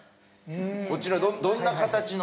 こちらどんな形の？